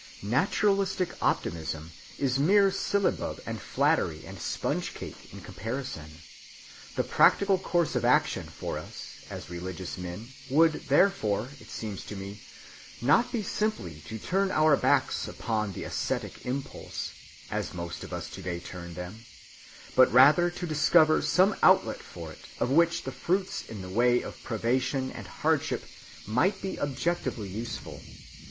Naturalistic optimism is mere syllabub and flattery and sponge‐cake in comparison. The practical course of action for us, as religious men, would therefore, it seems to me, not be simply to turn our backs upon the ascetic impulse, as most of us to‐day turn them, but rather to discover some outlet for it of which the fruits in the way of privation and hardship might be objectively useful.